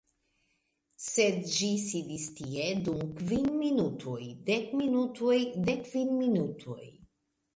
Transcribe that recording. Sed ĝi sidis tie dum kvin minutoj, dek minutoj, dek kvin minutoj!